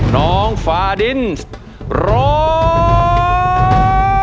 น้องฟาดินร้อง